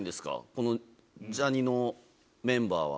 このジャにのメンバーは？